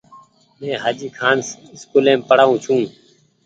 مين هآجي کآن اسڪولي مين پڙآئو ڇون۔